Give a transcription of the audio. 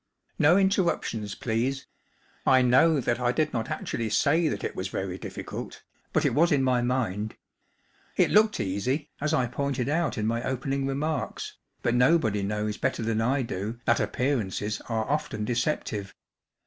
No interruptions, please. I know that I did not actually say that it was very difficult, but it was in my mind. It looked easy, as I pointed out in my opening remarks, but nobody knows better than I do that appear¬ ances are often deceptive.